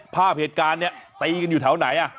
ภาพเหตุการณ์ตีอยู่แถวไหน